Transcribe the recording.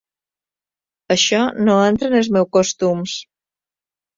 Això no entra en els meus costums.